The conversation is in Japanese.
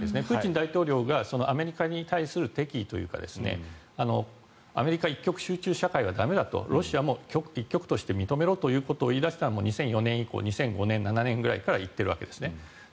プーチン大統領がアメリカに対する敵意というかアメリカ一極集中社会は駄目だとロシアも一極として認めろと言い出したのは２００４年以降２００５年から２００７年ぐらいに言っているわけですね。